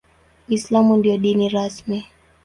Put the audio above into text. Uislamu ndio dini rasmi.